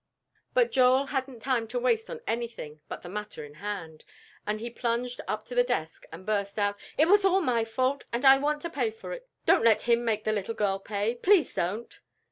But Joel hadn't time to waste on anything but the matter in hand, and he plunged up to the desk and burst out: "It was my fault, and I want to pay for it. Don't let him make the little girl pay, please don't."